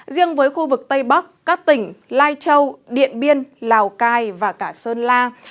riêng với khu vực tây bắc các tỉnh lai châu điện biên lào cai và cả sơn la